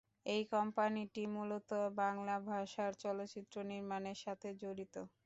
এই কোম্পানিটি মূলত বাংলা ভাষার চলচ্চিত্র নির্মাণের সাথে জড়িত।